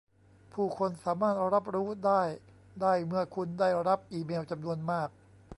ผู้คนสามารถรับรู้ได้ได้เมื่อคุณได้รับอีเมลจำนวนมาก